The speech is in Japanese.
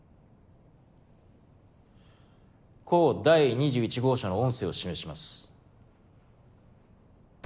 甲第２１号証の音声を示します。